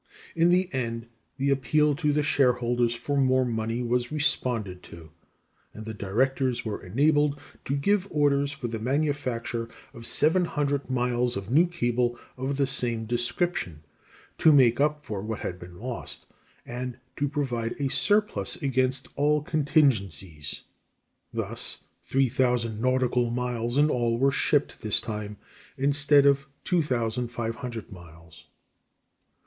In the end the appeal to the shareholders for more money was responded to; and the directors were enabled to give orders for the manufacture of 700 miles of new cable of the same description, to make up for what had been lost, and to provide a surplus against all contingencies. Thus, 3,000 nautical miles in all were shipped this time, instead of 2,500 miles. _Alterations in the Paying Out Gear.